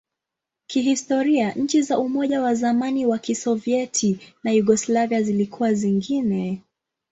Kihistoria, nchi za Umoja wa zamani wa Kisovyeti na Yugoslavia zilikuwa zingine.